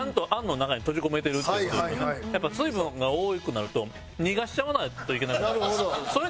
やっぱり水分が多くなると逃がしちゃわないといけなくなる。